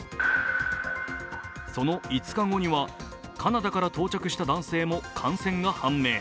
その５日後にはカナダから到着した男性も感染が判明。